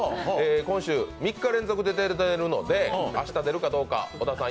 今週３日連続で出てるので明日出るかどうか、小田さん